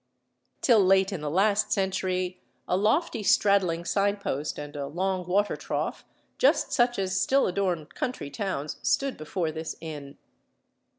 Till late in the last century a lofty straddling sign post and a long water trough, just such as still adorn country towns, stood before this inn.